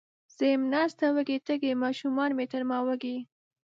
زه یم ناسته وږې، تږې، ماشومانې تر ما وږي